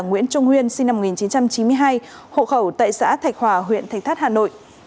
nguyễn trung nguyên sinh năm một nghìn chín trăm chín mươi hai hộ khẩu tại xã thạch hòa huyện thạch thất hà nội